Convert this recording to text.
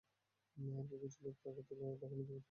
এরপর কিছু লোক আমাকে তুলে ঢাকা মেডিকেল কলেজ হাসপাতালে নিয়ে যায়।